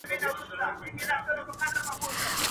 هم ئې سکڼي، هم ئې رغوي.